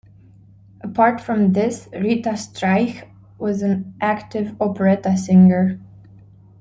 Apart from this Rita Streich was an active operetta-singer.